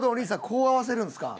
こう合わせるんですか。